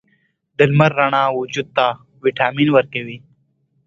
د لمر رڼا وجود ته ویټامین ورکوي.